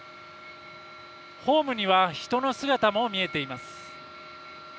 ホームには人の姿も見えています。